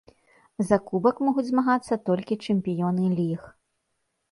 За кубак могуць змагацца толькі чэмпіёны ліг.